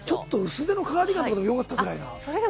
薄手のカーディガンでもよかったぐらい？